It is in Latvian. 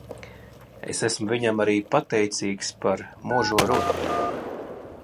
Es esmu viņam arī pateicīgs par možo runu.